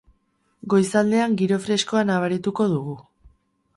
Goizaldean giro freskoa nabarituko dugu.